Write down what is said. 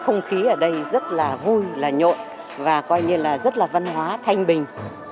không khí ở đây rất là vui là nhộn và coi như là rất là văn hóa thanh bình